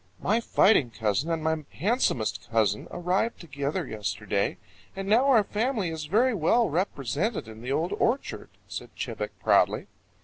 "My fighting cousin and my handsomest cousin arrived together yesterday, and now our family is very well represented in the Old Orchard," said Chebec proudly.